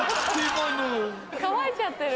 乾いちゃってる。